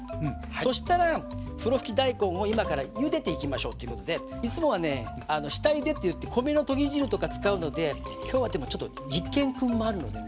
そうしたらふろふき大根を今からゆでていきましょうっていうことでいつもはねあの「下ゆで」って言って米のとぎ汁とか使うので今日はでもちょっと実験くんもあるのでね